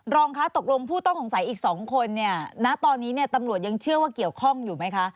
รองค้าตกลงผู้ต้องหาอีกสองคนนี้ตอนนี้ตำรวจยังเชื่อว่าเกี่ยวข้องอยู่ไหมคะ